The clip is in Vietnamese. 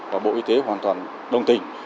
và bộ y tế hoàn toàn đồng tình